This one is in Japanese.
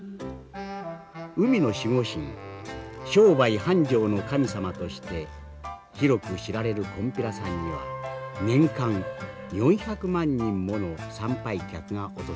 海の守護神商売繁盛の神様として広く知られるこんぴらさんには年間４００万人もの参拝客が訪れます。